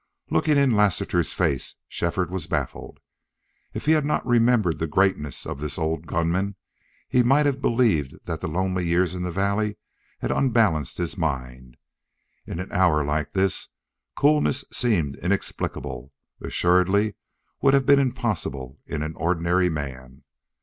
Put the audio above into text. Looking in Lassiter's face, Shefford was baffled. If he had not remembered the greatness of this old gun man he might have believed that the lonely years in the valley had unbalanced his mind. In an hour like this coolness seemed inexplicable assuredly would have been impossible in an ordinary man.